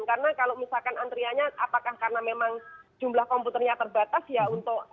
karena kalau misalkan antriannya apakah karena memang jumlah komputernya terbatas ya untuk